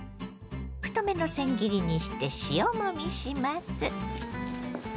太めのせん切りにして塩もみします。